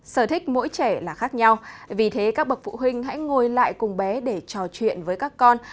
sở thích mỗi trẻ là khác nhau vì thế các bậc phụ huynh hãy ngồi lại cùng bé để trò chuyện với các con